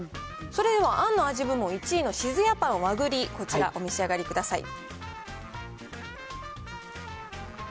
それではあんの味部門１位のシズヤパンワグリ、こちら、お召し上がりください。